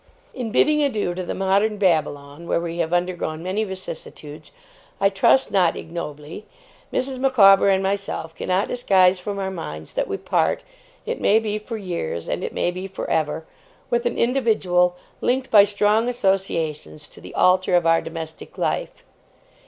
'In bidding adieu to the modern Babylon, where we have undergone many vicissitudes, I trust not ignobly, Mrs. Micawber and myself cannot disguise from our minds that we part, it may be for years and it may be for ever, with an individual linked by strong associations to the altar of our domestic life.